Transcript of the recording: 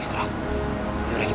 istirahat ya wb kamu istirahat